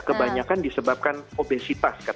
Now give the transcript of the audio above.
kebanyakan disebabkan obesitas